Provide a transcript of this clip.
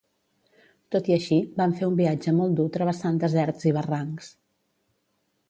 Tot i així, van fer un viatge molt dur travessant deserts i barrancs.